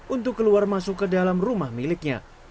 untuk keluar masuk ke dalam rumah miliknya